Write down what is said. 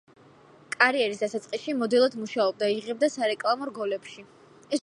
კარიერის დასაწყისში მოდელად მუშაობდა, იღებდა სარეკლამო რგოლებში.